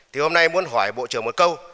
thì hôm nay muốn hỏi bộ trưởng một câu